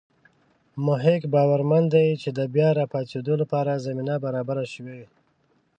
مح ق باورمن دی چې د بیا راپاڅېدو لپاره زمینه برابره شوې.